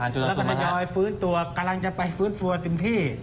แล้วก็ทยอยฟื้นตัวกำลังจะไปฟื้นฟูเต็มที่